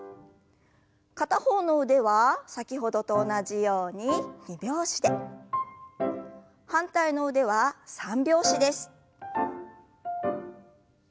片方の腕は先ほどと同じように二拍子で反対の腕は三拍子です。